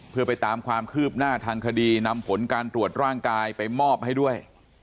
เพื่อไปตามความคืบหน้าทางคดีนำผลการตรวจร่างกายไปมอบให้ด้วย